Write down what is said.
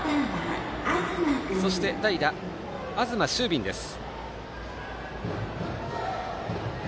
そして代打、東丞敏です。